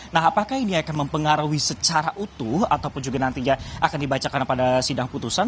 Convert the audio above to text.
nah apakah ini akan mempengaruhi secara utuh ataupun juga nantinya akan dibacakan pada sidang putusan